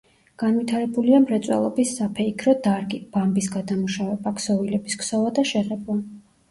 განვითარებულია მრეწველობის საფეიქრო დარგი: ბამბის გადამუშავება, ქსოვილების ქსოვა და შეღებვა.